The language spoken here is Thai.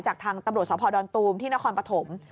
จากทางตำรวจสภดอนตูมที่นครปฐม